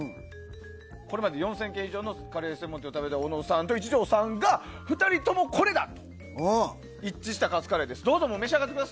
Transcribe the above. これまで４０００軒以上のカレー専門店を食べ歩いた小野さんと一条さんが２人ともこれだと一致したカツカレーです。